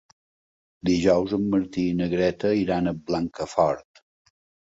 Dijous en Martí i na Greta iran a Blancafort.